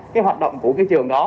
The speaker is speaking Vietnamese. cái hoạt động của cái trường đó